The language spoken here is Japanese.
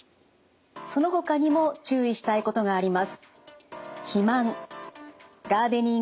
そのほかにも注意したいことがあります。